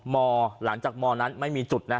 หลังจากมนั้นไม่มีจุดนะ